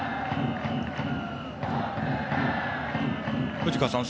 藤川さん